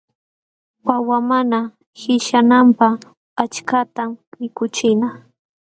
Wawa mana qishyananpaq achkatam mikuchina.